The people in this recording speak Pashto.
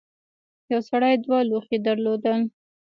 یو سړي دوه لوښي درلودل.